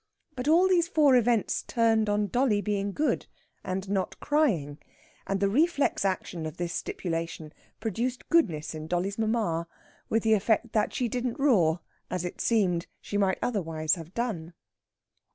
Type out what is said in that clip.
But all these four events turned on dolly being good and not crying, and the reflex action of this stipulation produced goodness in dolly's mamma, with the effect that she didn't roar, as, it seemed, she might otherwise have done.